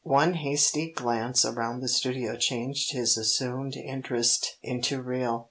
One hasty glance around the studio changed his assumed interest into real.